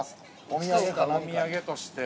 ◆お土産として。